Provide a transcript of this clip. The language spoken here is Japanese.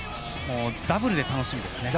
ダブルで楽しみですね。